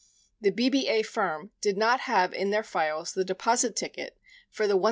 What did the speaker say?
98 The BBA firm did not have in their files the deposit ticket for the $1,519.